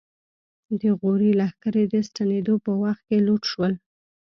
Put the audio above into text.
د غوري لښکرې د ستنېدو په وخت کې لوټ شول.